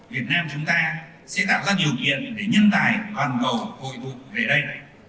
việt nam chúng ta sẽ tạo ra nhiều kiện để nhân tài toàn cầu hội thuộc về đây